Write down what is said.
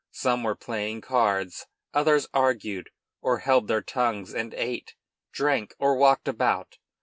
Some were playing cards, others argued, or held their tongues and ate, drank, or walked about.